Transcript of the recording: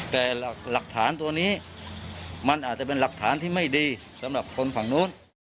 แต่หลักฐานตัวนี้มันอาจจะเป็นหลักฐานที่ไม่ดีสำหรับคนฝั่งนู้น